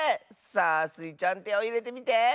さあスイちゃんてをいれてみて！